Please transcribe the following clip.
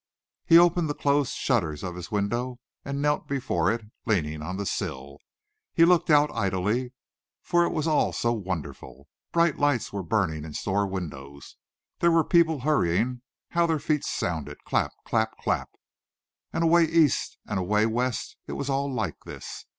He opened the closed shutters of his window and knelt before it, leaning on the sill. He looked out idly, for it was all so wonderful. Bright lights were burning in store windows. These people hurrying how their feet sounded clap, clap, clap. And away east and away west it was all like this.